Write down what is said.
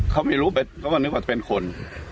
เขาไม่รู้เขาว่านึกว่าจะเป็นคน